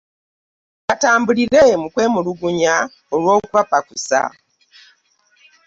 Batambulire mu kwemulugunya olwo kubapakusa.